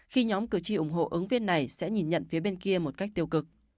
khi nhóm cử tri ủng hộ ứng viên này sẽ nhìn nhận phía bên kia một cách tiêu cực